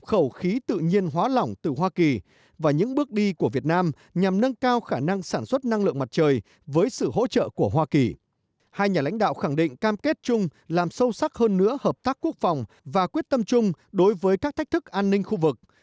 hai nhà lãnh đạo khẳng định cam kết chung làm sâu sắc hơn nữa hợp tác quốc phòng và quyết tâm chung đối với các thách thức an ninh khu vực